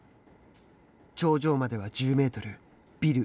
頂上までは１０メートル。